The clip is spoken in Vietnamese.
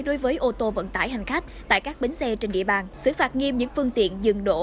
đối với ô tô vận tải hành khách tại các bến xe trên địa bàn xử phạt nghiêm những phương tiện dừng đổ